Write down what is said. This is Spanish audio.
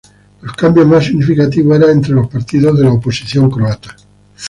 Los cambios más significativos eran entre los partidos de la oposición croata.